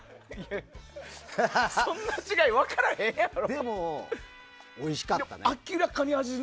でも、おいしかったね。